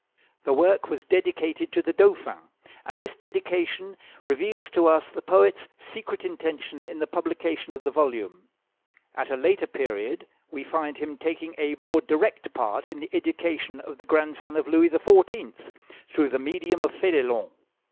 The work was dedicated to the Dauphin, and this dedication reveals to us the poet's secret intention in the publication of the volume. At a later period we find him taking a more direct part in the education of the grandson of Louis XIV., through the medium of Fénélon.